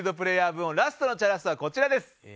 部門ラストのチャラッソはこちらです。